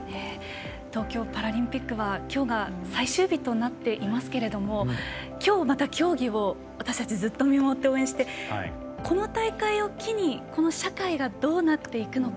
東京パラリンピックはきょうが最終日となっていますけれどもきょう、競技を私たちずっと見守って応援してこの大会を機にこの社会がどうなっていくのか。